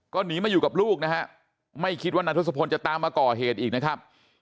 ก็หนีมาอยู่กับลูกนะฮะไม่คิดว่านายทศพลจะตามมาก่อเหตุอีกนะครับ